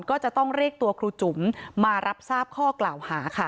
ก็จะต้องเรียกตัวครูจุ๋มมารับทราบข้อกล่าวหาค่ะ